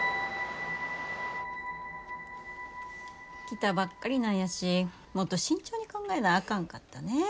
来たばっかりなんやしもっと慎重に考えなあかんかったね。